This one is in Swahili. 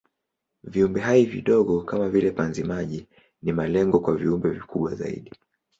Viumbehai vidogo kama vile panzi-bahari ni malengo kwa viumbe vikubwa zaidi.